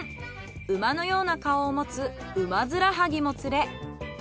馬のような顔を持つウマヅラハギも釣れ。